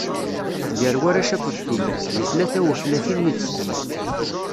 Gar warrac akked tullas, di tlata utlatin yid-sen.